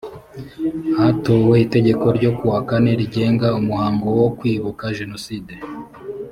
hatowe itegeko n ryo kuwa kane rigenga umuhango wo kwibuka jenoside